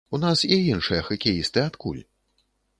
У нас і іншыя хакеісты адкуль?